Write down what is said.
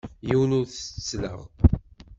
Yiwen ur t-ttettleɣ.